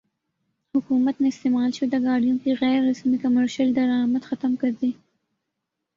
حکومت نے استعمال شدہ گاڑیوں کی غیر رسمی کمرشل درامد ختم کردی